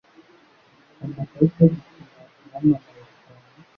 amakarita yo gukina yamamaye cyane